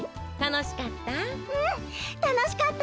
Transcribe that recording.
たのしかった？